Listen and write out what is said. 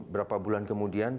berapa bulan kemudian